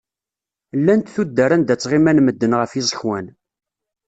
Llant tuddar anda ttɣiman medden ɣef yiẓekwan.